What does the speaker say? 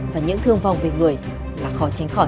và những thương vong về người là khó tránh khỏi